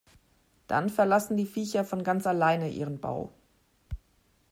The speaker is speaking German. Dann verlassen die Viecher von ganz alleine ihren Bau.